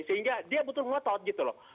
sehingga dia betul ngotot gitu loh